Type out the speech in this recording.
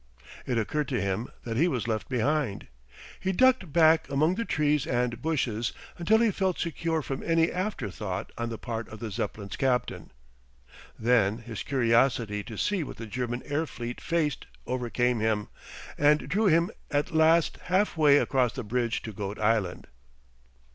It occurred to him that he was left behind. He ducked back among the trees and bushes until he felt secure from any after thought on the part of the Zeppelin's captain. Then his curiosity to see what the German air fleet faced overcame him, and drew him at last halfway across the bridge to Goat Island.